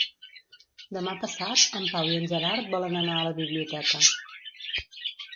Demà passat en Pau i en Gerard volen anar a la biblioteca.